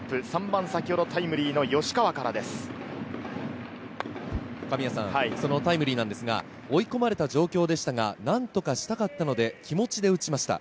３番、先ほどタイムリーの吉川かそのタイムリーなんですが、追い込まれた状況でしたが、何とかしたかったので気持ちで打ちました。